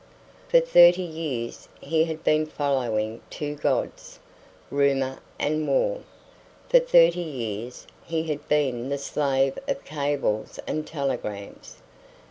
For thirty years he had been following two gods Rumour and War. For thirty years he had been the slave of cables and telegrams.